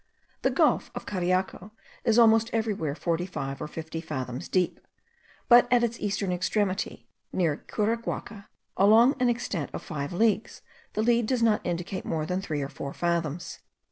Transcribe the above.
The gulf of Cariaco is almost everywhere forty five or fifty fathoms deep; but at its eastern extremity, near Curaguaca, along an extent of five leagues, the lead does not indicate more than three or four fathoms.